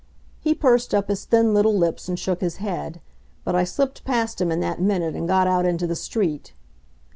He pursed up his thin little lips and shook his head. But I slipped past him in that minute and got out into the street.